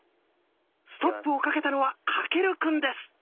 ストップをかけたのは翔くんです。